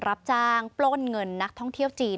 รับจ้างปล้นเงินนักท่องเที่ยวจีน